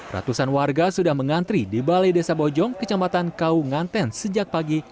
ratusan warga sudah mengantri di balai desa bojong kecamatan kau nganten sejak pagi